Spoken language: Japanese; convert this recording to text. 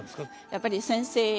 やっぱり先生